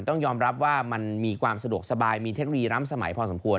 ต้องยอมรับว่ามันมีความสะดวกสบายมีเทคโนโลยรำสมัยพอสมควร